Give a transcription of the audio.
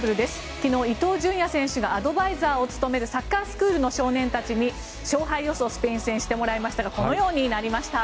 昨日、伊東純也選手がアドバイザーを務めるサッカースクールの少年たちにスペイン戦の勝敗予想をしてもらいましたがこのようになりました。